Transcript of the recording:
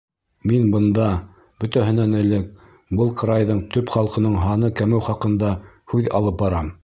Мин бында, бөтәһенән элек, был крайҙың төп халҡының һаны кәмеү хаҡында һүҙ алып барам.